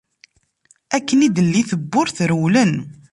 Akken i d-telli tewwurt, rewlen.